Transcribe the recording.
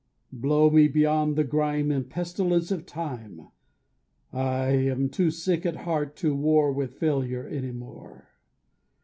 Blow me beyond the grime And pestilence of time! I am too sick at heart to war With failure any more.